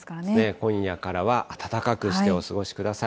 今夜からは暖かくしてお過ごしください。